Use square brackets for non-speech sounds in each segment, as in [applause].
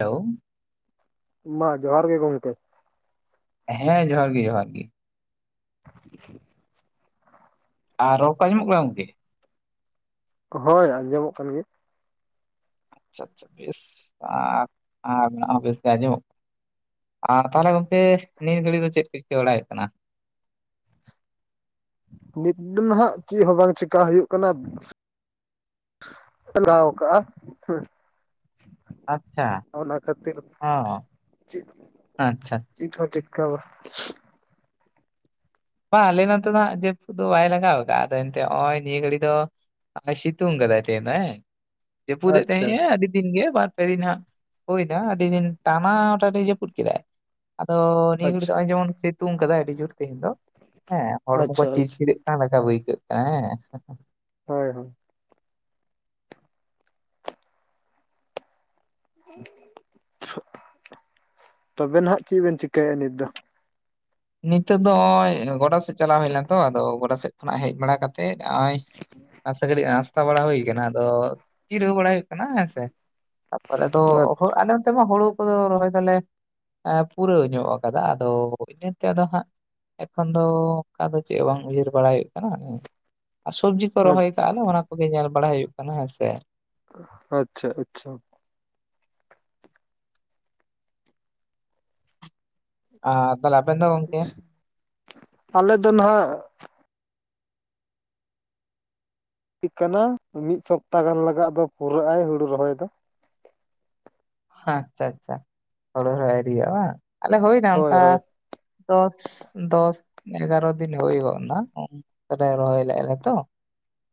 Hello ᱢᱟ ᱡᱚᱦᱟᱨ ᱜᱮ ᱜᱚᱢᱠᱮ᱾ ᱦᱮᱸ ᱡᱚᱦᱟᱨ ᱜᱮ, ᱡᱚᱦᱟᱨ ᱜᱮ᱾ ᱴᱷᱤᱠᱤᱠ [inaudible] ᱟᱨ ᱨᱚᱲ ᱠᱚ ᱟᱸᱡᱚᱢᱼᱚᱜ, ᱠᱟᱱᱟ ᱜᱚᱢᱠᱮ? ᱦᱳᱭ ᱟᱸᱡᱚᱢᱚᱜ ᱠᱟᱱ ᱜᱮᱭᱟ᱾ ᱟᱪᱪᱷᱟ ᱟᱪᱪᱷᱟ ᱵᱮᱥ, ᱟᱨ ᱟᱵᱤᱱᱟᱜ ᱦᱚ ᱵᱮᱥ ᱛᱮ ᱟᱡᱚᱢᱼᱚᱜ ᱟ ᱛᱟᱦᱚᱞᱮ ᱜᱚᱝᱠᱮ ᱱᱤᱭᱟᱹ ᱜᱷᱟᱹᱲᱤᱡ ᱫᱚ, ᱪᱮᱫ ᱠᱚ ᱪᱤᱠᱟᱹ ᱵᱟᱲᱟᱭ ᱦᱳᱭᱳᱜ ᱠᱟᱱᱟ? ᱱᱤᱛ ᱫᱚ ᱱᱟᱦᱟᱜ, ᱪᱮᱫ ᱦᱚᱸ ᱵᱟᱝ ᱪᱮᱠᱟ ᱦᱳᱭᱳᱜ ᱠᱟᱱᱟ᱾ ᱞᱟᱜᱟᱣ ᱠᱟᱜ ᱦᱩ᱾ ᱟᱪᱪᱷᱟ ᱚᱱᱟ ᱠᱷᱟᱹᱛᱤᱨ ᱚ ᱪᱮᱫ ᱟᱪᱪᱷᱟ ᱱᱤᱛ ᱦᱚ ᱴᱮᱠᱟ ᱵᱟ [unintelligible] ᱵᱟᱝ ᱟᱞᱮ ᱱᱚᱛᱮ ᱫᱚ ᱦᱟᱜ ᱡᱟᱹᱯᱩ ᱫᱚ, ᱵᱟᱭ ᱞᱟᱜᱟᱣ ᱟᱠᱟᱫᱼᱟ, ᱟᱫᱚ ᱮᱱᱛᱮ ᱱᱚᱜᱼᱚᱭ ᱱᱤᱭᱟᱹ ᱜᱷᱟᱹᱲᱤ ᱫᱚ᱾ ᱟᱨᱮ ᱥᱤᱛᱩᱝ ᱠᱟᱫᱟᱭ ᱛᱮᱦᱮ ᱫᱚ ᱦᱮ, ᱡᱟᱹᱯᱩᱫ ᱮᱫ ᱛᱟᱦᱮᱫ ᱟᱪᱪᱷᱟ ᱮᱸ, ᱟᱹᱰᱤ ᱫᱤᱱ ᱜᱮ ᱵᱟᱨ ᱯᱮ ᱫᱤᱱ ᱦᱟᱜ ᱦᱳᱭ ᱱᱟ, ᱟᱹᱰᱤ ᱫᱤᱱ ᱴᱟᱱᱟ ᱴᱟᱱᱤ ᱡᱟᱹᱯᱩᱫ ᱠᱮᱫᱟᱭ᱾ ᱟᱫᱚ ᱱᱤᱭᱟᱹ ᱜᱷᱟᱹᱲᱤᱡ ᱟᱪᱪᱷᱟ ᱫᱚ, ᱱᱚᱜᱼᱚᱭ ᱡᱮᱢᱚᱱ ᱥᱤᱛᱩᱝ ᱠᱟᱫᱟᱭ ᱟᱹᱰᱤ ᱡᱳᱨ ᱛᱮᱦᱮᱧ ᱫᱚ᱾ ᱦᱮᱸ ᱦᱚᱲᱢᱚ ᱠᱚ ᱟᱪᱪᱷᱟ ᱪᱤᱞ ᱟᱪᱪᱷᱟ ᱪᱤᱞᱟᱹᱜ ᱠᱟᱱ ᱞᱮᱠᱟ, ᱟᱹᱭᱠᱟᱹᱜ ᱠᱟᱱᱟ ᱦᱮᱸ᱾ ᱦᱳᱭ, ᱦᱳᱭ᱾ ᱛᱚᱵᱮ ᱱᱟᱱᱟᱜ ᱪᱮᱫ ᱵᱮᱱ ᱪᱤᱠᱟᱭᱼᱟ, ᱱᱤᱛ ᱫᱚ? ᱱᱤᱛᱚᱜ ᱫᱚ ᱚᱜᱚᱭ ᱜᱚᱰᱟ ᱥᱮᱫ ᱪᱟᱞᱟᱣ ᱦᱳᱭ ᱞᱮᱱᱟ ᱛᱚ, ᱟᱫᱚ ᱜᱚᱰᱟ ᱥᱮᱫ ᱠᱷᱚᱱᱟᱜ ᱦᱮᱡ ᱵᱟᱲᱟ ᱠᱟᱛᱮ ᱮᱱᱛᱮᱫ ᱚᱜᱼᱚᱭ ᱟᱥᱮ ᱠᱟᱴᱤᱡ ᱱᱟᱥᱛᱟ ᱵᱟᱲᱟ ᱦᱳᱭ ᱠᱟᱱᱟ, ᱟᱫᱚ ᱡᱤᱨᱟᱹᱣ ᱵᱟᱲᱟ ᱦᱳᱭᱳᱜ ᱠᱟᱱᱟ ᱦᱮᱸ ᱥᱮ᱾ ᱛᱟᱯᱚᱨᱮ ᱫᱚ, ᱟᱞᱮ ᱚᱱᱛᱮ ᱢᱟ ᱦᱳᱲᱳ ᱠᱚ ᱫᱚ ᱨᱚᱦᱚᱭ ᱫᱚᱞᱮ, ᱯᱩᱨᱟᱹᱣ ᱧᱚᱜ ᱠᱟᱫᱟ ᱟᱫᱚ ᱤᱱᱟ ᱛᱮᱫᱚ ᱦᱟᱸᱜ ᱮᱠᱷᱚᱱ ᱫᱚ ᱚᱱᱠᱟ ᱫᱚ, ᱪᱮᱫ ᱦᱚᱸ ᱵᱟᱝ ᱩᱭᱦᱟᱹᱨ ᱵᱟᱲᱟᱭ ᱦᱳᱭᱳᱜ ᱠᱟᱱᱟ, ᱟᱨ ᱥᱚᱵᱡᱤ ᱠᱚ᱾ ᱠᱚ ᱨᱚᱦᱚᱭ ᱠᱟᱟᱜᱼᱟ ᱞᱮ, ᱚᱱᱟ ᱠᱚᱜᱮ ᱧᱮᱞ ᱵᱟᱲᱟ ᱦᱳᱭᱳᱜ ᱠᱟᱱᱟ, ᱦᱮᱸ ᱥᱮ᱾ ᱟᱪᱪᱷᱟ, ᱟᱪᱪᱷᱟ᱾ ᱟᱨ ᱛᱟᱦᱚᱞᱮ ᱟᱵᱮᱱ ᱫᱚ ᱜᱝᱢᱠᱮ? ᱟᱞᱮ ᱫᱚ ᱱᱟᱦᱟᱜ ᱞᱟᱹᱠᱛᱤᱜ ᱠᱟᱱᱟ ᱢᱤᱫ ᱥᱚᱯᱛᱟ ᱜᱟᱱ ᱞᱟᱜᱟᱜ ᱫᱚ ᱯᱩᱨᱟᱹᱜ ᱟᱭ ᱦᱩᱬᱩ ᱨᱚᱦᱚᱭ ᱫᱚ, ᱟᱪᱪᱷᱟ ᱟᱪᱪᱷᱟ ᱦᱩᱬᱩ ᱨᱚᱦᱚᱭ ᱟᱹᱣᱨᱤᱭᱟᱜᱼᱟ ᱵᱟᱝ ᱟᱞᱮ ᱦᱩᱭᱱᱟ ᱦᱳᱭ ᱚᱱᱠᱟ ᱦᱳᱭ ᱫᱚᱥ ᱫᱚᱥ ᱮᱜᱟᱨᱚ ᱫᱤᱱ ᱦᱩᱭ ᱜᱚᱜᱼᱱᱟ, ᱯᱟᱭ ᱨᱚᱦᱚᱭ ᱞᱮᱫᱼᱟ ᱞᱮ ᱛᱚ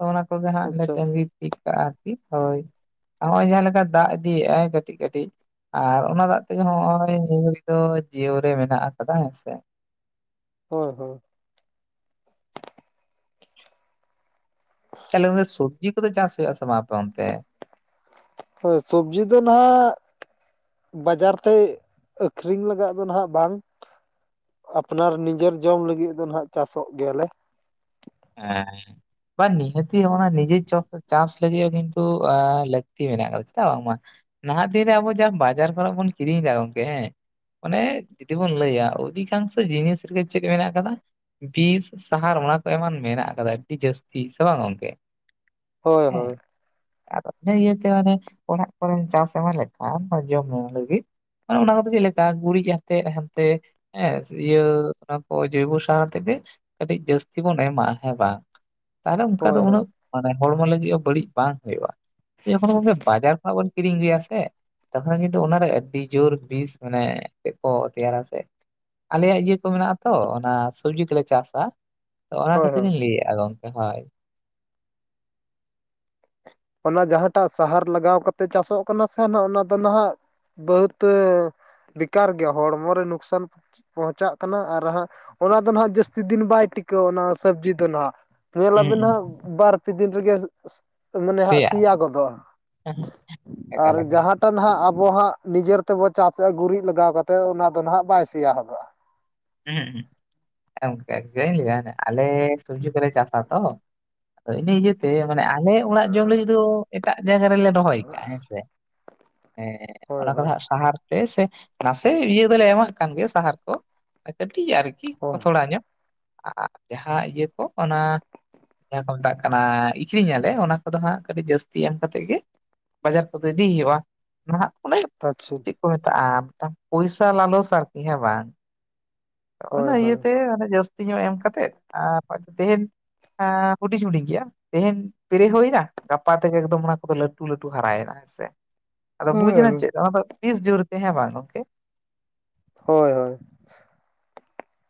ᱚᱱᱟ ᱠᱚᱜᱮ ᱦᱟᱸᱜ ᱞᱮ ᱟᱪᱪᱷᱟ ᱛᱟᱸᱜᱤ ᱴᱷᱤᱠ ᱠᱟᱜᱼᱟ ᱟᱨᱠᱤ ᱦᱳᱭ, ᱱᱚᱜᱚᱭ ᱡᱟᱦᱟᱸ ᱞᱮᱠᱟ ᱫᱟᱜ ᱤᱫᱤᱭᱮᱫᱼᱟᱭ ᱠᱟᱹ ᱠᱟᱹᱴᱤᱡ ᱠᱟᱹᱴᱤᱡ ᱟᱨ ᱚᱱᱟ ᱫᱟᱜ ᱛᱮᱜᱮ ᱱᱚᱜᱼᱚᱭ ᱱᱤᱭᱟᱹ ᱜᱷᱟᱹᱲᱤᱡ ᱫᱚ ᱡᱤᱭᱟᱣ ᱨᱮ ᱢᱮᱱᱟᱜ ᱟᱠᱟᱫᱟ ᱦᱮᱸᱥᱮ, ᱦᱳᱭ, ᱦᱳᱭ, ᱛᱟᱦᱚᱞᱮ ᱜᱚᱝᱠᱮ ᱥᱚᱵᱽᱡᱤ ᱠᱚᱫᱚ ᱪᱟᱥ ᱦᱩᱭᱩᱜ ᱟᱥᱮ ᱵᱟᱝ ᱟᱯᱮ ᱚᱱᱛᱮ? ᱦᱳᱭ ᱥᱚᱵᱽᱡᱤ ᱫᱚ ᱱᱟᱦᱟᱜ ᱵᱟᱡᱟᱨ ᱛᱮ ᱟᱹᱠᱷᱨᱤᱧ ᱞᱟᱜᱟᱜ ᱫᱚ ᱱᱟᱦᱟᱜ ᱵᱟᱝ ᱟᱯᱱᱟᱨ ᱱᱤᱡᱮᱨ ᱡᱚᱢ ᱞᱟᱹᱜᱤᱫ ᱫᱚ ᱱᱟᱦᱜ ᱪᱟᱥᱚᱜ ᱜᱮᱭᱟ ᱞᱮ᱾ ᱦᱮᱸ, ᱦᱮᱸ, ᱵᱟᱝ ᱱᱤᱦᱟᱹᱛᱤ ᱦᱚᱸᱜᱼᱚᱭ ᱱᱤᱡᱮ ᱪᱟᱥ ᱞᱟᱹᱜᱤᱫ ᱦᱚᱸ ᱠᱤᱱᱛᱩ ᱮᱻ ᱞᱟᱹᱠᱛᱤ ᱢᱮᱱᱟᱜ ᱠᱟᱫᱟ ᱪᱮᱫᱟᱜ ᱵᱟᱝᱢᱟ ᱱᱟᱦᱟᱸᱜ ᱫᱤᱱ ᱨᱮ ᱟᱵᱚ ᱡᱟ ᱵᱟᱡᱟᱨ ᱠᱚᱨᱮᱜ ᱵᱚᱱ ᱠᱤᱨᱤᱧ ᱮᱫᱟ ᱜᱚᱝᱠᱮ ᱦᱮᱸ ᱚᱱᱮ ᱡᱩᱫᱤ ᱵᱚᱱ ᱞᱟᱹᱭᱟ ᱚᱫᱷᱤᱠᱟᱝᱥᱚ ᱡᱤᱱᱤᱥ ᱨᱮᱜᱮ ᱪᱮᱫ ᱢᱮᱱᱟᱜ ᱠᱟᱫᱟ ᱵᱤᱥ ᱥᱟᱦᱟᱨ ᱚᱱᱟ ᱠᱚ ᱮᱢᱟᱱ ᱢᱮᱱᱟᱜ ᱠᱟᱫᱟ ᱟᱹᱰᱤ ᱡᱟᱹᱥᱛᱤ ᱥᱮ ᱵᱟᱝ ᱜᱚᱝᱠᱮ ᱦᱳᱭ ᱦᱮᱸ, ᱦᱳᱭ ᱟᱨ ᱤᱭᱟᱹ ᱤᱭᱟᱹᱛᱮ ᱚᱱᱮ ᱚᱲᱟᱜ ᱠᱚᱨᱮᱢ ᱪᱟᱥ ᱮᱢᱟᱱ ᱞᱮᱠᱷᱟᱱ ᱡᱚᱢ ᱧᱩ ᱞᱟᱹᱜᱤᱫ ᱢᱟᱱᱮ ᱚᱱᱟ ᱠᱚᱫᱚ ᱪᱮᱫ ᱞᱮᱠᱟ ᱜᱩᱨᱤᱡ ᱦᱟᱛᱮᱜ ᱦᱟᱱᱛᱮ ᱦᱮᱸ ᱥᱮ ᱤᱭᱟᱹ ᱚᱱᱟ ᱠᱚ ᱡᱳᱭᱵᱚ ᱥᱟᱨ ᱟᱛᱮᱜ ᱜᱮ ᱠᱟᱹᱴᱤᱡ ᱡᱟᱹᱥ ᱛᱤ ᱡᱩᱫᱤ ᱵᱚᱱ ᱮᱢᱟ ᱦᱮᱸ ᱵᱟᱝ ᱛᱟᱦᱚᱞᱮ ᱚᱱᱠᱟ ᱫᱚ ᱦᱳᱭ ᱦᱳᱭ ᱩᱱᱟᱹᱜ ᱢᱟᱱᱮ ᱦᱚᱲᱢᱚ ᱞᱟᱹᱜᱤᱫ ᱦᱚᱸ ᱵᱟᱹᱲᱤᱡ ᱵᱟᱝ ᱦᱩᱭᱩᱜᱼᱟ᱾ ᱡᱠᱷᱚᱱ ᱜᱚᱝᱠᱮ ᱵᱟᱡᱟᱨ ᱠᱷᱚᱱᱟᱜ ᱵᱚᱱ ᱠᱤᱨᱤᱧ ᱟᱹᱜᱩᱭᱟ ᱥᱮ ᱛᱚᱠᱷᱚᱱ ᱠᱤᱱᱛᱩ ᱚᱱᱟᱨᱮ ᱟᱹᱰᱤ ᱡᱳᱨ ᱵᱤᱥ ᱢᱟᱱᱮ ᱪᱮᱫ ᱠᱚ ᱛᱮᱭᱟᱨᱟ ᱥᱮ, ᱟᱞᱮᱭᱟᱜ ᱤᱭᱟᱹ ᱠᱚ ᱢᱮᱱᱟᱜᱼᱟ ᱛᱚ ᱚᱱᱟ ᱥᱚᱵᱽᱡᱤ ᱠᱚᱞᱮ ᱪᱟᱥᱼᱟ᱾ ᱛᱚ ᱚᱱᱟ ᱦᱳᱭ ᱦᱳᱭ ᱠᱷᱟᱹᱛᱤᱨᱤᱧ ᱞᱟᱹᱭ ᱮᱜᱼᱟ ᱜᱚᱝᱠᱮ ᱦᱳᱭ᱾ ᱚᱱᱟ ᱡᱟᱦᱟᱸᱴᱟᱜ ᱥᱟᱦᱟᱨ ᱞᱟᱜᱟᱣ ᱠᱟᱛᱮ ᱪᱟᱥᱚᱜ ᱠᱟᱱᱟ ᱥᱮ ᱚᱱᱟ ᱫᱚ ᱱᱟᱦᱟᱜ ᱵᱚᱦᱟᱹᱛ ᱵᱮᱠᱟᱨ ᱜᱮᱭᱟ ᱦᱚᱲᱢᱚ ᱨᱮ ᱱᱚᱩᱠᱥᱟᱱ ᱯᱚᱸᱦᱚᱸᱪᱟᱜ ᱠᱟᱱᱟ ᱟᱨ ᱦᱟᱸᱜ ᱚᱱᱟ ᱫᱚ ᱱᱟᱦᱜ ᱡᱟᱹᱥᱛᱤ ᱫᱤᱱ ᱵᱟᱭ ᱴᱤᱠᱟᱹᱣ ᱚᱱᱟ ᱥᱚᱵᱽᱡᱤ ᱫᱚ ᱱᱟᱦᱜ, ᱦᱩᱸ ᱧᱮᱞᱟᱞᱟᱵᱤᱱ ᱦᱩᱸ ᱦᱟᱸᱜ ᱵᱟᱨ ᱯᱮ ᱫᱤᱱ ᱨᱮᱜᱮ ᱢᱟᱱᱮ ᱦᱟᱸᱜ ᱥᱮᱭᱟ ᱜᱚᱫᱚᱜᱼᱟ᱾ ᱟᱨ ᱮᱠᱟᱞ ᱮᱠᱟᱞ ᱡᱟᱦᱟᱸ ᱚᱠᱟ ᱱᱟᱦᱜ ᱟᱵᱚ ᱦᱟᱸᱜ ᱱᱤᱡᱮᱨ ᱛᱮᱵᱚ ᱪᱟᱥᱮᱫᱼᱟ ᱜᱩᱨᱤᱡ ᱞᱟᱜᱟᱣ ᱠᱟᱛᱮ ᱚᱱᱟ ᱫᱚ ᱱᱟᱦᱜ ᱵᱟᱭ ᱥᱮᱭᱟ ᱦᱚᱫᱚᱜᱼᱟ᱾ ᱦᱮᱸ ᱚᱱᱠᱟ ᱜᱮ ᱞᱟᱹᱭᱟ ᱦᱟᱸᱜ ᱟᱞᱮ ᱥᱚᱵᱽᱡᱤ ᱠᱚᱞᱮ ᱪᱟᱥᱟ ᱛᱚ ᱤᱱᱟᱹ ᱤᱭᱟᱹᱛᱮ ᱢᱟᱱᱮ ᱟᱞᱮ ᱚᱲᱟᱜ ᱡᱚᱢ ᱞᱟᱹᱜᱤᱫ ᱫᱚ ᱮᱴᱟᱜ ᱡᱟᱭᱜᱟ ᱨᱮᱞᱮ ᱨᱚᱦᱚᱭ ᱠᱟᱜᱼᱟ ᱦᱮᱸᱥᱮ᱾ ᱮᱸ, ᱦᱳᱭ ᱚᱱᱟ ᱠᱚᱫᱚ ᱦᱳᱭ ᱦᱟᱸᱜ ᱥᱟᱦᱟᱨ ᱛᱮ ᱥᱮ ᱱᱟᱥᱮ ᱤᱭᱟᱹ ᱫᱚᱞᱮ ᱮᱢᱟᱜ ᱠᱟᱱ ᱜᱮ ᱥᱟᱦᱟᱨ ᱠᱚ, ᱠᱟᱹᱴᱤᱡ ᱟᱨᱠᱤ ᱠᱚ ᱦᱳᱭ ᱛᱷᱚᱲᱟ ᱧᱚᱜ ᱟᱨ ᱡᱟᱦᱟᱸ ᱤᱭᱟᱹ ᱠᱚ ᱚᱱᱟ ᱡᱟᱦᱟᱸ ᱠᱚ ᱢᱮᱛᱟᱜ ᱠᱟᱱᱟ ᱟᱹᱷᱨᱤᱧᱮᱜ ᱟᱞᱮ ᱚᱱᱟ ᱠᱚᱫᱚ ᱦᱟᱸᱜ ᱠᱟᱹᱴᱤᱡ ᱡᱟᱹᱥᱛᱤ ᱮᱢ ᱠᱟᱛᱮᱫ ᱜᱮ ᱵᱟᱡᱟᱨ ᱠᱚᱫᱚ ᱤᱫᱤ ᱦᱩᱭᱩᱜᱼᱟ ᱱᱟᱦᱟᱜ ᱚᱱᱮ ᱟᱪᱪᱷᱟ, ᱪᱮᱫ ᱠᱚ ᱢᱮᱛᱟᱜᱼᱟ ᱯᱚᱭᱥᱟ ᱞᱟᱞᱚᱥ ᱟᱨᱠᱤ ᱦᱮᱸ ᱵᱟᱝ, ᱟᱫᱚ ᱦᱳᱭ ᱚᱱᱟ ᱦᱳᱭ ᱤᱭᱟᱹᱛᱮ ᱚᱱᱟ ᱡᱟᱹᱥᱛᱤ ᱧᱚᱜ ᱮᱢ ᱠᱟᱛᱮᱫ ᱟᱨ ᱛᱮᱦᱮᱧ ᱟᱸ ᱦᱩᱰᱤᱧ ᱦᱩᱰᱤᱧ ᱜᱮᱭᱟ᱾ ᱛᱮᱦᱮᱧ ᱯᱮᱨᱮ ᱦᱩᱭᱱᱟ ᱜᱟᱯᱟ ᱛᱮᱜᱮ ᱮᱠᱫᱚᱢ ᱚᱱᱟ ᱠᱚᱫᱚ ᱞᱟᱹᱴᱩ ᱞᱟᱹᱴᱩ ᱦᱟᱨᱟᱭᱮᱱᱟ ᱦᱮᱸᱥᱮ᱾ ᱟᱫᱚ ᱵᱩᱡᱽ ᱮᱱᱟ ᱦᱳᱭ ᱪᱮᱫ ᱚᱱᱟ ᱫᱚ ᱵᱤᱥ ᱡᱩᱨᱛᱮ ᱦᱮᱸ ᱵᱟᱝ ᱜᱚᱝᱠᱮ? ᱦᱳᱭ, ᱦᱳᱭ,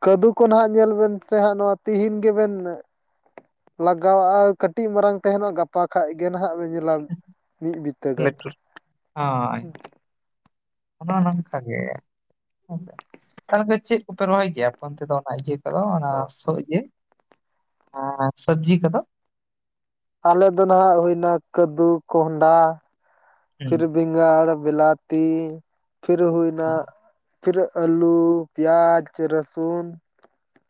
ᱠᱟᱹᱫᱩ ᱠᱚ ᱱᱟᱦᱟᱸᱜ ᱧᱮᱞ ᱵᱮᱱ ᱥᱮ ᱦᱟᱸᱜ ᱱᱚᱣᱟ ᱛᱤᱦᱤᱧ ᱜᱮᱵᱮᱱ ᱞᱟᱜᱟᱣᱟᱜᱼᱟ ᱠᱟᱴᱤᱡ ᱢᱟᱨᱟᱝ ᱛᱟᱦᱮᱱᱚᱜ ᱜᱟᱯᱟ ᱠᱷᱟᱡ ᱜᱮ ᱱᱟᱦᱟᱜ ᱵᱮᱱ ᱧᱮᱞ ᱞᱟᱜ ᱢᱤᱫ ᱵᱤᱛᱟᱹ ᱜᱟᱱ ᱞᱟᱹᱴᱩ ᱚᱱᱟ ᱦᱚᱸ ᱱᱚᱝᱠᱟ ᱜᱮ᱾ [unintelligible] ᱛᱟᱦᱚᱞᱮ ᱫᱚ ᱪᱮᱫ ᱠᱚᱯᱮ ᱨᱚᱦᱚᱭ ᱜᱮᱭᱟ ᱟᱯᱮ ᱚᱱᱛᱮ ᱫᱚ ᱚᱱᱟ ᱤᱭᱟᱹ ᱠᱚᱫᱚ ᱚᱱᱟ ᱥᱚᱜ ᱤᱭᱟᱹ ᱮᱸ ᱥᱚᱵᱽᱡᱤ ᱠᱚᱫᱚ? ᱟᱞᱮ ᱫᱚ ᱱᱟᱦᱟᱜ ᱦᱩᱭᱱᱟ ᱠᱟᱹᱫᱩ ᱠᱚᱸᱦᱟᱰᱟ ᱦᱩᱸ ᱯᱷᱤᱨᱵᱤᱧ ᱵᱮᱸᱜᱟᱲ, ᱵᱤᱞᱟᱛᱤ ᱯᱷᱤᱨ ᱦᱩᱭᱱᱟ ᱦᱩᱸ ᱯᱷᱤᱨ ᱟᱹᱞᱩ, ᱯᱤᱭᱟᱡᱽ, ᱨᱟᱥᱩᱱ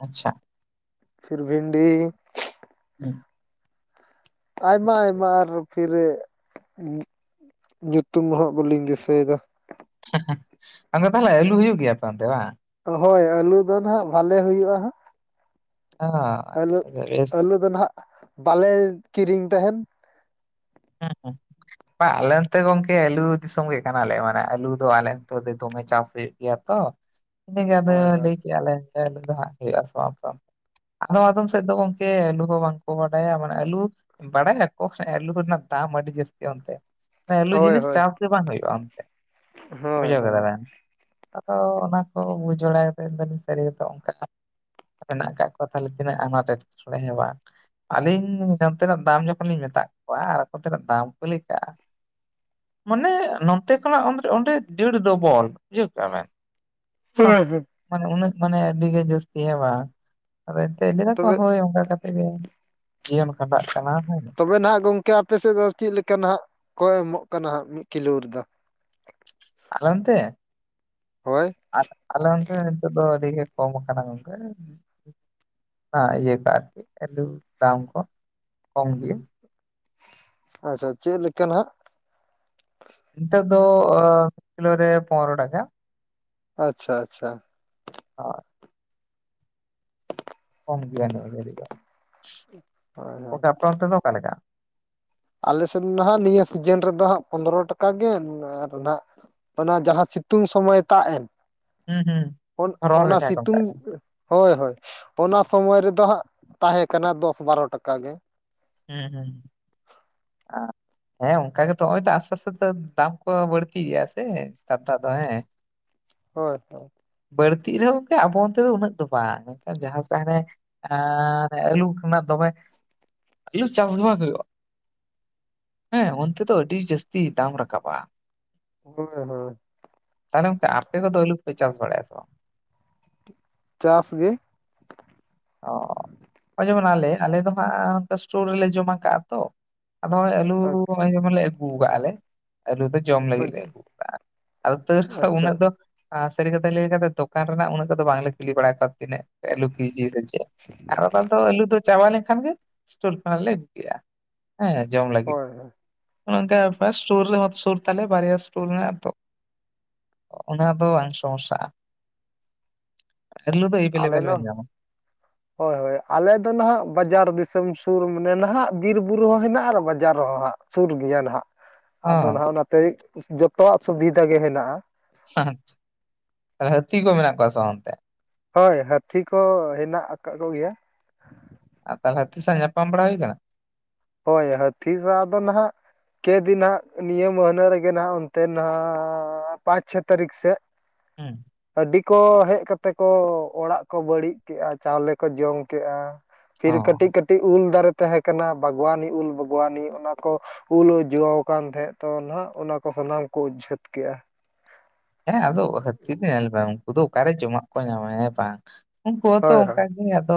ᱟᱪᱪᱷᱟ। ᱯᱷᱤᱨ ᱵᱷᱤᱱᱰᱤᱻ ᱦᱩᱸ ᱟᱭᱢᱟ ᱟᱭᱢᱟ ᱟᱨᱦᱚ ᱯᱷᱤᱨᱮ ᱧᱩ ᱧᱩᱛᱩᱢ ᱦᱚᱸ ᱵᱟᱹᱞᱤᱧ ᱫᱤᱥᱟᱹᱭᱮᱫᱟ। ᱦᱮᱸᱦᱮᱸ ᱟᱫᱚ ᱛᱟᱦᱟᱞᱮ ᱟᱹᱞᱩ ᱦᱩᱭᱩᱜ ᱜᱮᱭᱟ ᱟᱯᱮ ᱚᱱᱛᱮ ᱵᱟᱝ? ᱦᱳᱭ, ᱟᱹᱞᱩ ᱫᱚ ᱱᱟᱦᱟᱜ ᱵᱷᱟᱞᱮ ᱦᱩᱭᱩᱜᱼᱟ ᱦᱟᱸᱜ। ᱚ ᱟᱹᱞᱩᱜ, ᱟᱪᱪᱷᱟ ᱟᱪᱪᱷᱟ ᱵᱮᱥ ᱟᱹᱞᱩ ᱫᱚ ᱱᱟᱦᱟᱜ ᱵᱟᱞᱮ ᱠᱤᱨᱤᱧ ᱛᱟᱦᱮᱱ। ᱦᱮᱸ ᱦᱮᱸ। ᱵᱟᱝ ᱟᱞᱮ ᱱᱚᱱᱛᱮ ᱜᱚᱢᱠᱮ ᱟᱹᱞᱩ ᱫᱤᱥᱚᱢ ᱜᱮ ᱠᱟᱱᱟ, ᱟᱞᱮᱭᱟᱜ ᱢᱟᱱᱮ ᱟᱞᱩ ᱫᱚ ᱟᱞᱮ ᱱᱚᱛᱮ ᱫᱚ ᱫᱚᱢᱮ ᱪᱟᱥ ᱦᱩᱭᱩᱜ ᱜᱮᱭᱟ। ᱛᱚ, ᱤᱱᱟᱹᱜᱮ ᱟᱫᱚ ᱦᱳᱭ ᱦᱳᱭ ᱞᱟᱹᱭ ᱠᱮᱜᱼᱟ ᱞᱮ ᱡᱮ ᱟᱞᱩ ᱫᱚ ᱦᱟᱸᱜ ᱦᱩᱭᱩᱜᱼᱟ ᱥᱮ ᱵᱟᱝ ᱟᱯᱮ ᱚᱱᱛᱮ ᱟᱫᱚᱢ ᱟᱫᱚᱢ ᱥᱮᱫ ᱫᱚ ᱜᱚᱝᱢᱮ ᱟᱹᱞᱩ ᱦᱚᱸ ᱵᱟᱝ ᱠᱚ ᱵᱟᱰᱟᱭᱟ, ᱢᱟᱱᱮ ᱟᱹᱞᱩ ᱵᱟᱲᱟᱭᱟ ᱠᱚ ᱦᱮᱸᱜ ᱮᱸ ᱟᱹᱞᱩ ᱨᱮᱱᱟᱜ ᱫᱟᱢ ᱟᱹᱰᱤ ᱡᱟᱹᱥᱛᱤ ᱚᱱᱛᱮ। ᱮᱸ ᱟᱹᱞᱩ ᱦᱳᱭ ᱡᱤᱱᱤᱥ ᱦᱳᱭ ᱪᱟᱥ ᱜᱮ ᱵᱟᱝ ᱦᱩᱭᱩᱜᱼᱟ ᱚᱱᱛᱮ, ᱦᱳᱭ ᱵᱩᱡᱷᱟᱹᱣ ᱠᱮᱫᱟ ᱦᱳᱭ ᱵᱮᱱ? ᱟᱫᱚ ᱚᱱᱟ ᱠᱚ ᱵᱩᱡᱽ ᱵᱟᱲᱟ ᱠᱟᱛᱮ ᱢᱮᱱᱫᱟᱞᱤᱧ ᱥᱟᱹᱨᱤ ᱜᱮᱛᱚ ᱚᱱᱠᱟ ᱢᱮᱱᱟᱜ ᱠᱟᱜ ᱠᱚᱣᱟ ᱛᱟᱦᱟᱞᱮ ᱛᱤᱱᱟᱹᱜ ᱟᱸᱱᱟᱴ ᱮᱴᱠᱮᱴᱚᱬᱮ ᱦᱮᱸ ᱵᱟᱝ? ᱟᱞᱤᱧ ᱱᱚᱱᱛᱮᱱᱟᱜ ᱫᱟᱢ ᱡᱚᱠᱷᱚᱱ ᱞᱤᱧ ᱢᱮᱛᱟᱜ ᱠᱚᱣᱟ, ᱟᱨ ᱟᱠᱚ ᱚᱱᱛᱮᱱᱟᱜ ᱫᱟᱢ ᱠᱚ ᱞᱮ ᱠᱮᱜᱼᱟ ᱢᱟᱱᱮ ᱱᱚᱱᱛᱮ ᱠᱷᱚᱱᱟᱜ [unintelligible] ᱚᱸᱰᱮ ᱫᱮᱲ ᱰᱚᱵᱚᱞ ᱵᱩᱡᱷᱟᱹᱣ ᱠᱮᱜᱼᱟ ᱵᱮᱱ᱾ ᱦᱮᱸ ᱦᱮᱸ᱾ ᱢᱟᱱᱮ ᱩᱱᱟᱹᱜ ᱢᱟᱱᱮ ᱟᱹᱰᱤ ᱜᱮ ᱡᱟᱹᱥᱛᱤ ᱦᱮᱸ ᱵᱟᱝ, ᱟᱫᱚ ᱮᱱᱛᱮ ᱞᱟᱹᱭ ᱫᱟᱠᱚ ᱛᱚᱵᱮ ᱦᱳᱭ ᱚᱱᱠᱟ ᱠᱟᱛᱮ ᱜᱮ ᱡᱤᱭᱚᱱ ᱠᱷᱟᱸᱰᱟᱜ ᱠᱟᱱᱟ ᱦᱮᱸᱻ। ᱛᱚᱵᱮ ᱱᱟᱦᱱᱟᱜ ᱜᱚᱠᱮ ᱟᱯᱮᱥᱮᱫ ᱫᱚ ᱪᱮᱫ ᱞᱮᱠᱟ ᱱᱟᱦᱟᱜ ᱠᱚ ᱮᱢᱚᱜ ᱠᱟᱱᱟ ᱦᱟᱸᱜ ᱢᱤᱫ ᱠᱤᱞᱳ ᱨᱮᱫᱚ? ᱟᱞᱮ ᱚᱱᱛᱮ ᱦᱳᱭ ᱟᱴ ᱟᱞᱮ ᱚᱱᱛᱮ ᱱᱤᱛᱚᱜ ᱫᱚ ᱟᱹᱰᱤ ᱜᱮ ᱠᱚᱢ ᱠᱟᱱᱟ ᱜᱚᱝᱠᱮ। ᱦᱟᱸ ᱤᱭᱟᱹ ᱠᱚ ᱟᱨᱠᱤ, ᱟᱹᱞᱩ ᱫᱟᱢ ᱠᱚ ᱠᱚᱢ ᱜᱮ। ᱟᱪᱪᱷᱟ, ᱪᱮᱫ ᱞᱮᱠᱟ ᱱᱟᱦᱟᱜ? ᱱᱤᱛᱚᱜ ᱫᱚ ᱚᱸ ᱠᱤᱞᱳ ᱨᱮ ᱯᱚᱱᱨᱚ ᱴᱟᱠᱟ। ᱟᱪᱪᱷᱟ ᱟᱪᱪᱷᱟ। ᱦᱳᱭ। ᱠᱚᱢ ᱜᱮᱭᱟ ᱱᱤᱭᱟᱹ ᱜᱷᱟᱹᱲᱤ ᱫᱚ, ᱦᱳᱭ ᱦᱳᱭ ᱚᱠᱟ ᱟᱯᱮ ᱚᱱᱛᱮ ᱫᱚ ᱚᱠᱟ ᱞᱮᱠᱟ? ᱟᱞᱮᱥᱮᱱ ᱱᱟᱦᱟᱜ ᱱᱤᱭᱟᱹ ᱥᱤᱡᱤᱱ ᱨᱮᱫᱚ ᱦᱟᱸᱜ ᱯᱚᱸᱫᱽᱨᱚ ᱴᱟᱠᱟ ᱜᱮ, ᱟᱨ ᱱᱟᱦᱟᱜ ᱚᱱᱟ ᱡᱟᱦᱟᱸ ᱥᱤᱛᱩᱝ ᱥᱚᱢᱚᱭ ᱛᱟᱜ ᱮᱱ, ᱦᱩᱸ ᱦᱩᱸ ᱩᱱ ᱫᱷᱚᱨᱚᱱ ᱨᱮ ᱚᱱᱟ ᱡᱟᱦᱟᱸ ᱠᱚ ᱥᱤᱛᱩᱝ ᱢᱮᱛᱟᱜ ᱠᱟᱱᱟ ᱼᱼ ᱦᱳᱭ ᱦᱳᱭ, ᱚᱱᱟ ᱥᱚᱢᱚᱭ ᱨᱮᱫᱚ ᱦᱟᱸᱜ ᱛᱟᱦᱮᱸ ᱠᱟᱱᱟ ᱫᱚᱥ ᱵᱟᱨᱚ ᱴᱟᱠᱟ ᱜᱮ। ᱦᱮᱸ ᱦᱮᱸ। ᱟᱸ ᱦᱮᱸ ᱚᱱᱠᱟ ᱜᱮᱛᱚ ᱦᱚᱸᱜᱼᱚᱭ ᱛᱚ ᱟᱥᱛᱮ ᱟᱥᱛᱮ ᱛᱮ ᱫᱟᱢ ᱠᱚ ᱵᱟᱹᱲᱛᱤ ᱜᱤᱭᱟ ᱥᱮ, ᱠᱟᱛᱷᱟ ᱫᱚ ᱦᱮᱸ। ᱦᱳᱭ ᱦᱳᱭ। ᱵᱟᱹᱲᱛᱤᱜ ᱨᱮᱦᱚᱸ ᱜᱚᱝᱠᱮ ᱟᱵᱚ ᱚᱱᱛᱮ ᱫᱚ ᱩᱱᱟᱹᱜ ᱫᱚ ᱵᱟᱝ। ᱢᱮᱱᱠᱷᱟᱱ ᱡᱟᱦᱟᱸ ᱥᱮᱫ ᱦᱟᱱᱮ ᱟᱨ ᱟᱹᱞᱩ ᱨᱮᱱᱟᱜ ᱫᱚᱢᱮ ᱟᱹᱞᱩ ᱪᱟᱥ ᱵᱟᱝ ᱦᱩᱭᱩᱜᱼᱟ। ᱦᱮᱸ ᱚᱱᱛᱮ ᱫᱚ ᱟᱹᱰᱤ ᱡᱟᱹᱥᱛᱤ ᱫᱟᱢ ᱨᱟᱠᱟᱵᱼᱟ। ᱦᱳᱭ ᱦᱳᱭ। ᱛᱟᱦᱟᱞᱮ ᱜᱚᱝᱠᱮ ᱟᱯᱮ ᱠᱚ ᱫᱚ ᱟᱹᱞᱩ ᱯᱮ ᱪᱟᱥ ᱵᱟᱲᱟᱭᱟ ᱥᱮ ᱵᱟᱝ? ᱪᱟᱥ ᱜᱮ। ᱚ, ᱦᱚᱸᱜᱼᱚᱭ ᱡᱮᱢᱚᱱ ᱟᱞᱮ, ᱟᱞᱮ ᱫᱚ ᱦᱟᱸᱜ ᱚᱱᱠᱟ ᱤᱥᱚᱴᱳᱨ ᱨᱮᱞᱮ ᱡᱚᱢᱟ ᱠᱟᱜᱼᱟ ᱛᱚ। ᱟᱫᱚ ᱦᱚᱸᱜᱼᱚᱭ ᱟᱹᱞᱩ ᱦᱚᱸᱜᱼᱚᱭ ᱡᱮᱢᱚᱱ ᱞᱮ ᱟᱹᱜᱩ ᱠᱟᱜᱼᱟ ᱞᱮ᱾ ᱟᱹᱞᱩ ᱫᱚ ᱡᱚᱢ ᱞᱟᱹᱜᱤᱫ ᱞᱮ ᱟᱪ- ᱟᱹᱜᱩ ᱠᱟᱜᱼᱟ। ᱟᱫᱚ ᱛᱟᱣ ᱟᱪᱪᱷᱟ ᱩᱱᱟᱹᱜ ᱫᱚ ᱟᱨ ᱥᱟᱹᱨᱤ ᱠᱟᱛᱷᱟᱧ ᱞᱟᱹᱭ ᱟᱠᱟᱫᱟ, ᱫᱚᱠᱟᱱ ᱨᱮᱱᱟᱜ ᱩᱱᱟᱹᱜ ᱠᱚᱫᱚ ᱵᱟᱝᱞᱮ ᱠᱩᱞᱤ ᱵᱟᱲᱟ ᱠᱚᱣᱟ ᱛᱤᱱᱟᱹᱜ ᱟᱹᱞᱩ ᱠᱤ ᱡᱤ ᱨᱮ ᱪᱮᱫ? ᱟᱨ ᱚᱱᱟ ᱫᱚ ᱟᱹᱞᱩ ᱫᱚ ᱪᱟᱵᱟ ᱞᱮᱱᱠᱷᱟᱱ ᱜᱮ ᱥᱴᱳᱨ ᱠᱷᱚᱱᱟᱜ ᱞᱮ ᱟᱹᱜᱩ ᱠᱮᱜᱼᱟ। ᱦᱮᱸ ᱡᱚᱢ ᱞᱟᱹᱜᱤᱫ, ᱦᱳᱭ ᱦᱳᱭ ᱱᱚᱝᱠᱟ ᱵᱮᱯᱟᱨ ᱥᱩᱨ ᱨᱮ ᱦᱚ ᱥᱩᱨ ᱛᱟᱞᱮ ᱵᱟᱨᱭᱟ ᱤᱥᱚᱴᱚᱨ ᱢᱮᱱᱟᱜ ᱛᱚ, ᱚᱱᱟ ᱫᱚ ᱵᱟᱝ ᱥᱚᱢᱚᱥᱟ-ᱟ ᱟᱹᱞᱩ ᱫᱚ ᱟᱞᱮ ᱮᱭᱵᱤᱞᱮᱵᱮᱞ ᱫᱚ ᱵᱮᱱ ᱧᱟᱢᱟ ᱾ ᱦᱳᱭ ᱦᱳᱭ ᱟᱞᱮ ᱫᱚ ᱱᱟᱦᱟᱜ ᱵᱟᱡᱟᱨ ᱫᱤᱥᱚᱢ ᱥᱩᱨ ᱢᱟᱱᱮ ᱱᱟᱦᱟᱜ ᱵᱤᱨ ᱵᱩᱨᱩ ᱦᱚᱸ ᱦᱮᱱᱟᱜ ᱟᱨ ᱵᱟᱡᱟᱨ ᱨᱮᱦᱚᱸ ᱦᱟᱸᱜ ᱾ ᱥᱩᱨ ᱜᱮᱭᱟ ᱱᱟᱦᱟᱜ ᱚ ᱟᱫᱚ ᱱᱟᱦᱟᱜ ᱚᱱᱟᱛᱮ ᱡᱚᱛᱚᱣᱟᱜ ᱥᱩᱵᱤᱫᱷᱟ ᱜᱮ ᱦᱮᱱᱟᱜ-ᱟ ᱾ ᱟᱦ ᱟᱨ ᱦᱟᱹᱛᱤ ᱠᱚ ᱢᱮᱱᱟᱜ ᱠᱚᱣᱟ ᱥᱮ ᱵᱟᱝ ᱚᱱᱛᱮ? ᱦᱳᱭ ᱦᱟᱹᱛᱤ ᱠᱚ ᱦᱮᱱᱟᱜ ᱟ ᱟᱠᱚ ᱜᱮᱭᱟ᱾ ᱟᱨ ᱛᱟᱦᱚᱞᱮ ᱦᱟᱹᱛᱤ ᱥᱟᱶ ᱧᱟᱯᱟᱢ ᱵᱟᱲᱟ ᱦᱩᱭ ᱠᱟᱱᱟ? ᱦᱳᱭ ᱦᱟᱹᱛᱤ ᱥᱟᱶ ᱫᱚ ᱱᱟᱦᱟᱜ ᱠᱮᱫᱤᱱ ᱦᱟᱜ ᱱᱤᱭᱟᱹ ᱢᱟᱹᱦᱱᱟᱹ ᱨᱮᱜᱮ ᱱᱟᱟᱜ ᱚᱱᱛᱮ ᱱᱟ ᱯᱟᱸᱪ ᱪᱷᱚ ᱛᱟᱹᱨᱤᱠᱷ ᱥᱮᱫ ᱦᱩᱸ ᱟᱰᱤᱠ, ᱠᱚ ᱦᱮᱡ ᱠᱟᱛᱮ ᱠᱚ ᱚᱲᱟᱜ ᱠᱚ ᱵᱟᱹᱲᱤᱡ ᱠᱮᱜ-ᱟ ᱪᱟᱣᱞᱮ ᱠᱚ ᱡᱚᱢ ᱠᱮᱜ-ᱟ ᱾ ᱚ ᱯᱷᱤᱨ ᱠᱟᱹᱴᱤᱡ ᱠᱟᱹᱴᱤᱡ ᱩᱞ ᱫᱟᱨᱮ ᱛᱟᱦᱮᱸᱠᱟᱱᱟ ᱵᱟᱜᱽᱣ-ᱟᱱᱤ ᱩᱞ ᱵᱟᱜᱽᱣ-ᱟᱱᱤ ᱚᱱᱟ ᱠᱚ, ᱩᱞ ᱡᱚ ᱟᱠᱟᱱ ᱛᱟᱦᱮᱸᱫ ᱛᱚ ᱱᱟᱦᱟᱜ ᱚᱱᱟᱠᱚ ᱥᱟᱱᱟᱢ ᱠᱚ ᱩᱪᱪᱷᱟᱹᱛ ᱠᱮ-ᱟ᱾ ᱦᱮᱸ ᱟᱫᱚ ᱦᱟᱹᱛᱤ ᱫᱚ ᱧᱮᱞ ᱢᱮ ᱩᱱᱠᱩ ᱫᱚ ᱚᱠᱟᱨᱮ ᱡᱚᱢᱟᱜ ᱠᱚ ᱧᱟᱢᱟ ᱦᱮᱸ ᱵᱟᱝ, ᱩᱱᱠᱩ ᱦᱚ ᱛᱚ ᱦᱳᱭ ᱚᱝᱠᱟ ᱦᱳᱭ ᱜᱮ ᱟᱫᱚ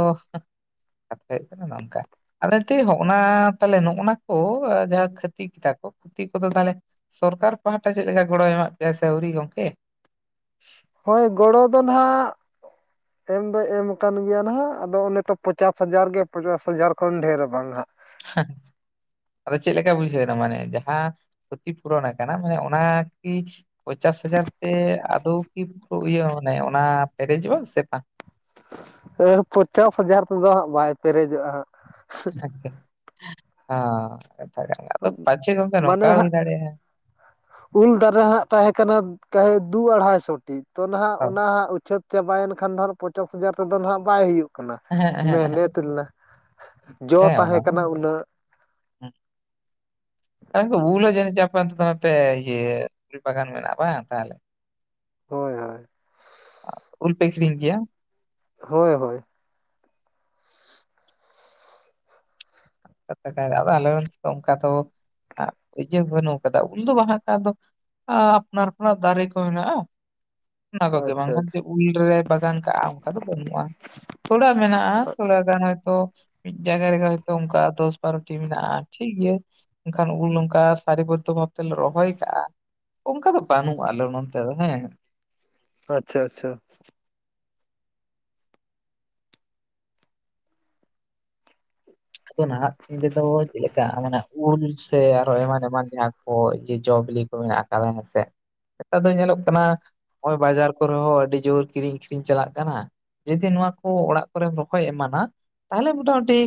ᱠᱟᱛᱷᱟ ᱦᱩᱭᱩᱜ ᱠᱟᱱᱟ ᱱᱚᱝᱠᱟ ᱟᱞᱮ ᱛᱮ ᱦᱚᱸᱜᱱᱟ ᱛᱟᱦᱚᱞᱮ ᱱᱚᱜ ᱱᱟ ᱠᱚ ᱡᱟᱦᱟᱸ ᱠᱷᱟᱹᱛᱤᱠ ᱛᱟᱠᱚ ᱠᱷᱛᱤ ᱠᱚᱫᱚ ᱛᱟᱦᱚᱞᱮ ᱥᱚᱨᱠᱟᱨ ᱯᱟᱦᱴᱟ ᱪᱮᱫ ᱞᱮᱠᱟ ᱜᱚᱲᱚᱭ ᱮᱢᱟᱜ ᱯᱮᱭᱟ ᱥᱮ ᱟᱹᱣᱨᱤ ᱜᱚᱝᱠᱮ? ᱦᱳᱭ ᱜᱚᱲᱚ ᱫᱚ ᱱᱟᱦᱟᱜ ᱮᱢ ᱫᱚᱭ ᱮᱢ ᱠᱟᱱ ᱜᱮᱭᱟ ᱱᱟᱦᱟᱜ ᱟᱫᱚ ᱚᱱᱮ ᱛᱚ ᱯᱚᱪᱟᱥ ᱦᱟᱡᱟᱨ ᱜᱮ ᱯᱚᱪᱟᱥ ᱦᱟᱡᱟᱨ ᱠᱷᱚᱱ ᱰᱷᱮᱨ ᱵᱟᱝ ᱦᱟᱸᱜ᱾ ᱦᱟᱸᱪᱷ ᱟᱫᱚ ᱪᱮᱫ ᱞᱮᱠᱟ ᱵᱩᱡᱷᱟᱹᱣᱱᱟ ᱢᱟᱱᱮ ᱡᱟᱦᱟᱸ ᱠᱷᱚᱛᱤ ᱯᱩᱨᱚᱱ ᱠᱟᱱᱟ ᱢᱟᱱᱮ ᱚᱱᱟ ᱠᱤ ᱯᱚᱪᱟᱥ ᱦᱟᱡᱟᱨ ᱛᱮ ᱟᱫᱚ ᱠᱤ ᱯᱩᱨᱟ ᱤᱭᱟᱹ ᱢᱟᱱᱮ ᱚᱱᱟ ᱯᱮᱨᱮᱡᱚᱜ-ᱟ ᱥᱮ ᱵᱟᱝ? ᱦᱟ ᱯᱚᱧᱪᱟᱥ ᱦᱟᱡᱟᱨ ᱛᱮᱫᱚ ᱦᱟᱸᱜ ᱵᱟᱭ ᱯᱮᱨᱮᱡᱚᱜ-ᱟ ᱦᱟᱸᱜ ᱾ ᱦᱟ ᱛᱟᱞᱮ ᱚᱲᱟᱜ ᱫᱚ ᱯᱟᱪᱮ ᱜᱚᱝᱠᱮ ᱢᱟᱱᱮ ᱱᱚᱝᱠᱟ ᱦᱟᱸᱜ ᱦᱩᱭ ᱫᱟᱲᱮᱭᱟᱜ-ᱟ, ᱩᱞ ᱫᱟᱨᱮ ᱦᱟᱜ ᱛᱟᱦᱮᱸ ᱠᱟᱱᱟ ᱠᱟᱦᱮ ᱫᱩ-ᱟᱲᱟᱭᱥᱚ ᱴᱤ ᱛᱚ ᱱᱟᱦᱟᱜ ᱦᱳᱭ ᱚᱱᱟᱦᱟᱜ ᱩᱪᱷᱟᱹᱛ ᱪᱟᱵᱟ ᱭᱮᱱ ᱠᱷᱟᱱ ᱫᱚ ᱦᱟᱜ ᱯᱚᱪᱟᱥ ᱦᱟᱡᱟᱨ ᱛᱮᱫᱚ ᱱᱟᱦᱟᱜ ᱵᱟᱭ ᱦᱩᱭᱩᱜ ᱠᱟᱱᱟ ᱦᱮᱸ ᱢᱮᱦᱱᱮᱛ ᱞᱮᱱᱟ ᱡᱚ ᱦᱮ ᱚᱱᱟ ᱛᱟᱦᱮᱸ ᱢᱟ ᱠᱟᱱᱟ ᱩᱱᱟᱹᱜ ᱢᱮᱱᱟᱜ ᱠᱟᱵᱩᱞ ᱦᱚ ᱡᱟᱱᱤᱡ ᱪᱚ ᱟᱯᱮ ᱚᱱᱛᱮ ᱫᱚᱢᱮ ᱯᱮ ᱤᱭᱟ ᱭᱟ ᱩᱞ ᱵᱟᱜᱟᱱ ᱢᱮᱱᱟᱜ-ᱟ ᱵᱟᱝ ᱛᱟᱦᱚᱞᱮ ᱦᱳᱭ ᱦᱳᱭ, ᱩᱞ ᱯᱮ ᱟᱠᱷᱨᱤᱧ ᱜᱮᱭᱟ? ᱦᱳᱭ ᱦᱳᱭ, [unintelligible] ᱤᱭᱟᱹ ᱵᱟᱹᱱᱩᱜ ᱟᱠᱟᱫᱟ ᱩᱞ ᱫᱚ ᱵᱟᱝ ᱠᱷ ᱫᱚ ᱟᱯᱱᱟᱨᱯᱨ ᱫᱟᱨᱮ ᱠᱚ ᱦᱮᱱᱟᱜ-ᱟ᱾ ᱚᱱᱟ ᱠᱚᱜᱮ ᱟᱪᱪᱷᱟ ᱵᱟᱝᱠᱷᱟᱱ ᱟᱪᱪᱷᱟ ᱡᱮ ᱩᱞᱨᱮ ᱵᱟᱜᱟᱱ ᱠᱟᱜ-ᱟ ᱚᱱᱠᱟ ᱫᱚ ᱵᱟᱹᱱᱩᱜ-ᱟ᱾ ᱛᱷᱚᱲᱟ ᱢᱮᱱᱟᱜ-ᱟ ᱛᱷᱚᱲᱟ ᱜᱟᱱ ᱦᱚᱭᱛᱳ ᱢᱤᱫ ᱡᱟᱭᱜᱟ ᱨᱮᱜᱮ ᱦᱭᱛᱳ ᱚᱱᱠᱟ ᱫᱚᱥ ᱵᱟᱨᱚᱴᱤ ᱢᱮᱱᱟᱜ-ᱟ ᱴᱷᱤᱠ ᱜᱮᱭᱟ᱾ ᱮᱠᱷᱟᱱ ᱩᱞ ᱚᱱᱠᱟ ᱥᱟᱹᱨᱤ ᱵᱚᱫᱽᱫᱷᱚ ᱵᱷᱟᱵ ᱛᱮᱞᱮ ᱨᱚᱦᱚᱭ ᱠᱟᱜ-ᱟ᱾ ᱚᱱᱠᱟ ᱫᱚ ᱵᱟᱹᱱᱩᱜ-ᱟ ᱟᱞᱮ ᱱᱚᱱᱛᱮ ᱫᱚ ᱦᱮᱸ ᱟᱪᱪᱷᱟ ᱟᱪᱪᱷᱟ ᱟᱫᱚ ᱱᱟᱦᱟᱜ ᱨᱮᱫᱚ ᱪᱮᱫ ᱞᱮᱠᱟ ᱩᱞ ᱥᱮ ᱟᱨᱚ ᱮᱢᱟᱱ ᱮᱢᱟᱱ ᱡᱟᱦᱟ ᱡᱚ ᱵᱤᱞᱤ ᱠᱚ ᱢᱮᱱᱟᱜ ᱟᱠᱟᱫᱟ ᱦᱮᱸᱥᱮ ᱱᱮᱛᱟᱨ ᱫᱚ ᱧᱮᱞᱚᱜ ᱠᱟᱱᱟ ᱱᱚᱜ-ᱚᱭ ᱵᱟᱡᱟᱨ ᱠᱚᱨᱮ ᱦᱚᱸ ᱟᱹᱰᱤ ᱡᱳᱨ ᱠᱤᱨᱤᱧ ᱟᱹᱠᱷᱨᱤᱧ ᱪᱟᱞᱟᱜ ᱠᱟᱱᱟ ᱡᱩᱫᱤ ᱱᱚᱣᱟ ᱠᱚ ᱚᱲᱟᱜ ᱠᱚᱨᱮᱢ ᱨᱚᱦᱚᱭ ᱮᱢᱟᱱᱟ ᱛᱟᱦᱚᱞᱮ ᱢᱚᱴᱟᱢᱩᱴᱤ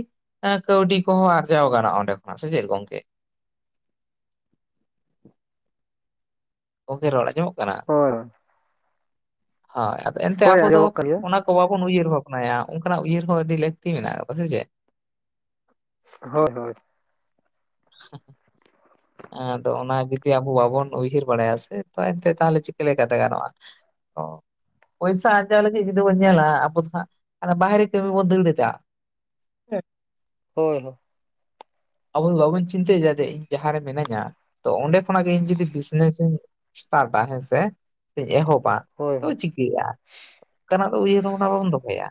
ᱠᱟᱹᱣᱰᱤ ᱠᱚᱦᱚᱸ ᱟᱨᱡᱟᱣ ᱜᱟᱱᱚᱜ-ᱟ ᱚᱸᱰᱮ ᱠᱷᱚᱱᱟᱜ ᱥᱮ ᱪᱮᱫ ᱜᱚᱝᱠᱮ? ᱜᱚᱢᱠᱮ ᱨᱚᱲ ᱟᱡᱚᱢᱚ ᱦᱳᱭ ᱦᱳᱭ ᱟ ᱮᱱᱛᱮ ᱦᱳᱭ ᱟᱵᱚ ᱫᱚ ᱟᱸᱡᱚᱢᱚᱜ ᱠᱟᱱ ᱜᱮᱭᱟ ᱚᱱᱟ ᱚ ᱵᱟᱵᱚᱱ ᱩᱭᱦᱟᱹᱨ ᱵᱷᱟᱵᱽᱱᱟᱭᱟ ᱚᱱᱠᱟᱱᱟᱜ ᱩᱭᱦᱟᱹᱨ ᱦᱚᱸ ᱟᱹᱰᱤ ᱞᱟᱹᱠᱛᱤ ᱢᱮᱱᱟᱜ ᱟᱠᱟᱫᱟ ᱥᱮ ᱪᱮ? ᱦᱳᱭ ᱦᱳᱭ᱾ ᱦ [inaudible] ᱟᱫᱚ ᱚᱱᱟ ᱡᱩᱫᱤ ᱟᱵᱚ ᱵᱟᱵᱚᱱ ᱩᱭᱦᱟᱹᱨ ᱵᱟᱲᱟᱭᱟ ᱥᱮ ᱮᱱᱛᱮ ᱛᱟᱦᱚᱞᱮ ᱪᱤᱠᱟᱹ ᱞᱮᱠᱟᱛᱮ ᱜᱟᱱᱚᱜᱼᱟ᱾ ᱚ ᱯᱚᱭᱥᱟᱹ ᱟᱨᱡᱟᱣ ᱞᱟᱜᱤᱫ ᱡᱩᱫᱤ ᱵᱚᱱ ᱧᱮᱞᱟ ᱟᱵᱚ ᱵᱟᱦᱮᱨᱮ ᱠᱟᱹᱢᱤ ᱵᱚᱱ ᱫᱟᱹᱲ ᱟ᱾ ᱦᱳᱭ ᱦᱳᱭ᱾ ᱟᱵᱚ ᱫᱚ ᱵᱟᱵᱚᱱ ᱪᱤᱱᱛᱟᱹᱭᱮᱫᱟ ᱡᱮ ᱤᱧ ᱡᱟᱦᱟᱸ ᱨᱮ ᱢᱤᱱᱟᱹᱧᱟ ᱛᱚ ᱚᱸᱰᱮ ᱠᱷᱚᱱᱟᱜ ᱜᱮ ᱤᱧ ᱡᱩᱫᱤ ᱵᱤᱡᱽᱱᱮᱥᱤᱧ᱾ ᱥᱴᱟᱨᱴᱟ ᱦᱮᱸᱥᱮ ᱥᱮᱧ ᱮᱦᱚᱵᱟ ᱦᱳᱭ ᱛᱚ ᱦᱳᱭ ᱪᱤᱠᱟᱹᱭᱟ? ᱚᱱᱠᱟᱱᱟᱜ ᱫᱚ ᱩᱭᱟᱹᱨ ᱵᱷᱟᱵᱱᱟ ᱫᱚᱦᱚᱭᱟ,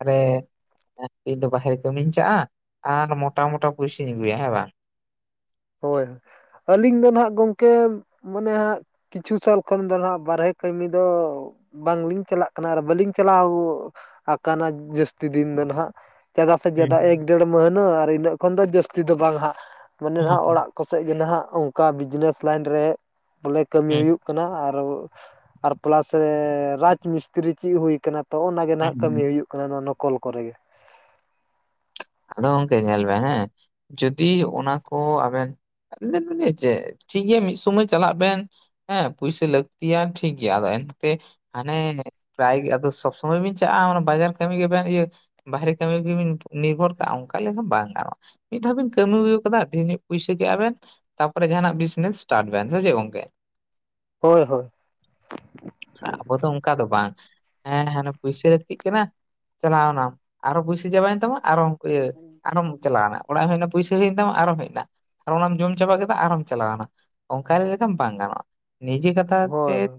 ᱟᱨᱮ ᱤᱧ ᱫᱚ ᱵᱟᱦᱨᱮ ᱠᱟᱹᱢᱤᱧ ᱪᱟᱜᱼᱟ ᱟᱨ ᱢᱚᱴᱟ ᱢᱚᱴᱟ ᱯᱩᱭᱥᱟᱧ ᱟᱹᱜᱩᱭᱟ ᱦᱮᱸ ᱵᱟᱝ? ᱦᱳᱭ ᱟᱹᱞᱤᱧ ᱫᱚ ᱱᱟᱦᱟᱜ ᱜᱚᱢᱠᱮ- ᱢᱟᱱᱮ ᱦᱟᱸᱜ ᱠᱤᱪᱷᱩ ᱥᱟᱞ ᱠᱷᱚᱱ ᱫᱚ ᱦᱟᱜᱸ ᱵᱟᱨᱦᱮ ᱠᱟᱹᱢᱤ ᱫᱚ ᱵᱟᱝᱞᱤᱧ ᱪᱟᱞᱟᱜ ᱠᱟᱱᱟ ᱟᱨ ᱵᱟᱹᱞᱤᱧ ᱪᱟᱞᱟᱣ ᱟᱠᱟᱱᱟ ᱡᱟᱹᱥᱛᱤ ᱫᱤᱱ ᱫᱚ ᱦᱟᱸᱜ᱾ ᱪᱮᱫᱟ ᱥᱮ ᱦᱩᱸ ᱪᱮᱫᱟ ᱮᱠ ᱰᱮᱲ ᱢᱟᱹᱦᱱᱟᱹ ᱟᱨ ᱤᱱᱟᱹᱜ ᱠᱷᱚᱱ ᱫᱚ ᱡᱟᱹᱥᱛᱤ ᱫᱚ ᱵᱟᱝ ᱦᱟᱸᱜ᱾ ᱮ ᱦᱩᱸ ᱱᱟᱦᱟᱜ ᱚᱲᱟᱜ ᱠᱚᱥᱮᱫ ᱜᱮ ᱱᱟᱦᱟᱜ ᱚᱱᱠᱟ ᱵᱤᱡᱽᱱᱮᱥ ᱞᱟᱭᱤᱱ ᱨᱮ ᱵᱚᱞᱮ ᱠᱟᱹᱢᱤ ᱦᱩᱸ ᱦᱩᱭᱩᱜ ᱾ ᱠᱟᱱᱟ ᱟᱨ ᱯᱞᱟᱥ ᱨᱟᱡᱽ ᱢᱤᱥᱛᱨᱤ ᱪᱮᱫ ᱦᱩᱭ ᱟᱠᱟᱱᱟ᱾ ᱛᱚ ᱚᱱᱟᱜ ᱜᱮ ᱦᱩᱸ ᱱᱟᱦᱟᱜ ᱦᱩᱸ ᱠᱟᱹᱢᱤ ᱦᱩᱭᱩᱜ ᱠᱟᱱᱟ ᱱᱚᱣᱟ ᱱᱚᱠᱚᱞ ᱠᱚᱨᱮ ᱜᱮ᱾ ᱟᱫᱚ ᱜᱚᱝᱠᱮ ᱧᱮᱞ ᱵᱮᱱ ᱦᱮᱸ ᱡᱩᱫᱤ ᱚᱱᱟ ᱠᱚ ᱟᱵᱮᱱ ᱟᱹᱵ ᱞ [unintelligible] ᱪᱮᱫ ᱴᱷᱤᱠ ᱜᱮᱭᱟ ᱢᱤᱫ ᱥᱚᱢᱚᱭ ᱪᱟᱞᱟᱜ ᱵᱮᱱ᱾ ᱦᱮᱸ ᱯᱩᱭᱥᱟᱹ ᱞᱟᱹᱠᱛᱤᱭᱟ ᱴᱷᱤᱠ ᱜᱮᱭᱟ ᱟᱫᱚ ᱮᱱᱛᱮ ᱦᱟᱱᱮ ᱯᱨᱟᱭᱜᱮ ᱟᱫᱚ ᱥᱚᱵᱽ ᱥᱚᱢᱚᱭ ᱵᱮᱱ ᱪᱟᱞᱼᱟ ᱵᱟᱡᱟᱨ ᱠᱟᱹᱢᱤ ᱜᱮᱵᱮᱱ ᱤᱭᱟᱹ᱾ ᱵᱟᱦᱨᱮ ᱠᱟᱹᱢᱤ ᱱᱤᱨᱵᱷᱚᱨ ᱚᱱᱠᱟ ᱞᱮᱠᱟᱟᱱ ᱵᱟᱝ ᱜᱟᱱᱚᱜᱼᱟ ᱢᱤᱫ ᱫᱷᱟᱣ ᱵᱮᱤᱱ ᱠᱟᱹᱢᱤ ᱟᱹᱜ ᱠᱟᱫᱟ ᱛᱮᱦᱮᱧᱚᱜ ᱯᱩᱭᱥᱟᱹ ᱠᱟᱜ ᱼᱟ ᱵᱮᱱ᱾ ᱛᱟᱯᱚᱨᱮ ᱡᱟᱦᱟᱱᱟᱜ ᱵᱤᱡᱱᱮᱥ ᱥᱴᱟᱨᱴ ᱵᱮ ᱥᱮ ᱪᱮᱫ ᱜᱚᱝᱠᱮ? ᱦᱳᱭ ᱦᱳᱭ᱾ ᱟᱵᱚ ᱫᱚ ᱚᱱᱠᱟ ᱫᱚ ᱵᱟᱝ᱾ ᱦᱮᱸ ᱦᱮ ᱯᱩᱭᱥᱟᱹ ᱞᱟᱹᱠᱛᱤᱜ ᱠᱟᱱᱟ ᱪᱟᱞᱟᱣᱱᱟᱢ ᱟᱨᱚ ᱯᱚᱭᱥᱟᱹ ᱪᱟᱵᱟᱭᱮᱱ ᱛᱟᱢᱟ ᱟᱨᱚ [unintelligible] ᱟᱨᱦᱚᱢ ᱪᱟᱞᱟᱣᱟᱱᱟ᱾ ᱚᱲᱟᱜ ᱮᱢ ᱦᱮᱡ ᱮᱱᱟ ᱯᱩᱭᱥᱟᱹ ᱦᱩᱭᱮᱱ ᱛᱟᱢᱟ ᱟᱨᱦᱚᱢ ᱦᱮᱡ ᱮᱱᱟ ᱟᱨ ᱚᱱᱟᱢ ᱡᱚᱢ ᱪᱟᱵᱟ ᱠᱟᱛᱮ ᱟᱨᱦᱚᱢ ᱪᱟᱞᱟᱣ ᱮᱱᱟ᱾ ᱚᱱᱠᱟ ᱞᱮᱠᱟ ᱵᱟᱝ ᱜᱟᱱᱚᱜ-ᱟ ᱱᱤᱡᱮ ᱠᱟᱛᱷᱟ ᱦᱳᱭ ᱛᱮᱫ ᱦᱳᱭ